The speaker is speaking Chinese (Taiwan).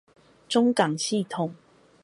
中港系統